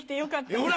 ほら！